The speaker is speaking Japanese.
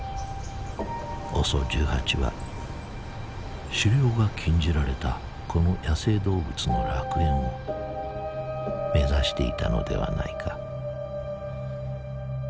「ＯＳＯ１８は狩猟が禁じられたこの野生動物の楽園を目指していたのではないか」。